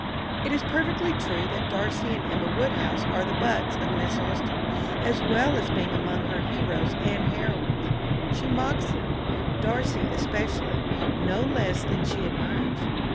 It is perfectly true that Darcy and Emma Woodhouse are the butts of Miss Austen as well as being among her heroes and heroines. She mocks them Darcy especially no less than she admires.